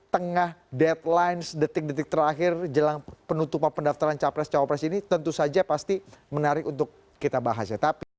sengah deadline detik detik terakhir penutupan pendaftaran cawapres cawapres ini tentu saja pasti menarik untuk kita bahas